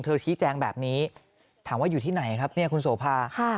ชี้แจงแบบนี้ถามว่าอยู่ที่ไหนครับเนี่ยคุณโสภาค่ะ